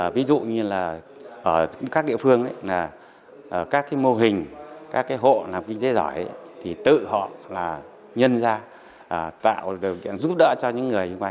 ví dụ như là ở các địa phương các mô hình các hộ làm kinh tế giỏi thì tự họ nhân ra tạo điều kiện giúp đỡ cho những người xung quanh